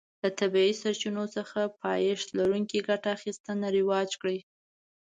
له طبیعي سرچینو څخه پایښت لرونکې ګټه اخیستنه رواج کړي.